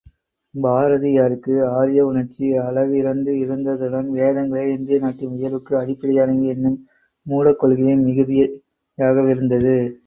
பாரதியாருக்கு ஆரியவுணர்ச்சி அளவிறந்து இருந்ததுடன் வேதங்களே இந்திய நாட்டின் உயர்வுக்கு அடிப்படையானவை என்னும் மூடக் கொள்கையும் மிகுதியாகவிருந்தது.